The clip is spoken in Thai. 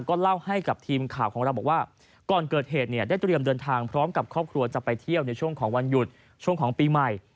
ก็เล่าให้กับทีมข่าวของเราบอกว่าก่อนเกิดเหตุเนี่ยได้เตรียมเดินทางพร้อมกับครอบครัวจะไปเที่ยวในช่วงของวันหยุดช่วงของปีใหม่